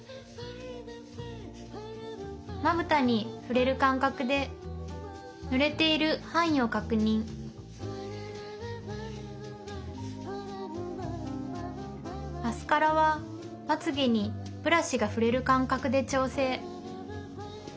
まぶたに触れる感覚で塗れている範囲を確認マスカラはまつげにブラシが触れる感覚で調整。